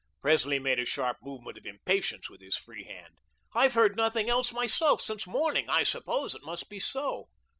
Presley made a sharp movement of impatience with his free hand. "I've heard nothing else myself since morning. I suppose it must be so."